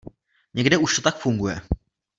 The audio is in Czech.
Někde už to tak funguje.